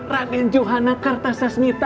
raden johana kartasasmita